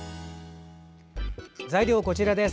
材料は、こちらです。